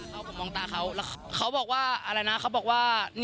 ผมมองตาเขาแล้วเขาบอกว่า